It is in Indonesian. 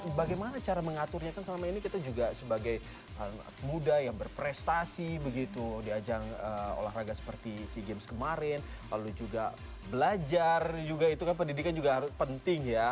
nah bagaimana cara mengaturnya kan selama ini kita juga sebagai muda yang berprestasi begitu di ajang olahraga seperti sea games kemarin lalu juga belajar juga itu kan pendidikan juga penting ya